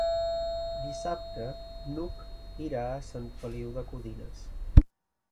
Dissabte n'Hug irà a Sant Feliu de Codines.